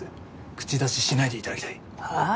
口出ししないで頂きたい。はあ！？